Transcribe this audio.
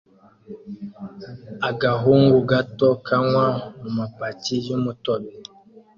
Agahungu gato kanywa mumapaki yumutobe